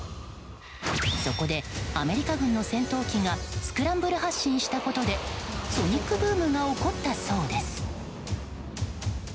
そこでアメリカ軍の戦闘機がスクランブル発進したことでソニックブームが起こったそうです。